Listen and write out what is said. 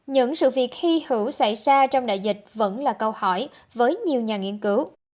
những sự việc hy hữu xảy ra trong đại dịch vẫn là câu hỏi với nhiều nhà nghiên cứu